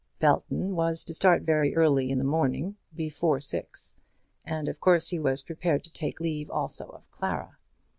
Belton was to start very early in the morning, before six, and of course he was prepared to take leave also of Clara.